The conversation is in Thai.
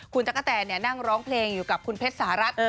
คุณจักรแนนนั่งร้องเพลงอยู่กับคุณเพชรสหรัฐ